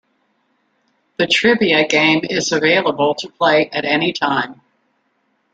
The trivia game is available to play at any time.